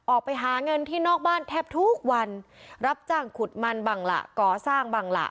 ออกไปหาเงินที่นอกบ้านแทบทุกวันรับจ้างขุดมันบ้างล่ะก่อสร้างบ้างล่ะ